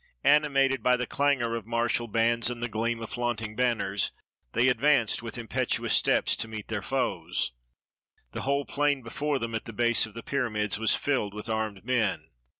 Animated by the clangor of martial bands and the gleam of flaunting banners, they ad vanced with impetuous steps to meet their foes. The whole plain before them, at the base of the pyramids, was filled with armed men.